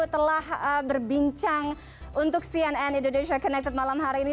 telah berbincang untuk cnn indonesia connected malam hari ini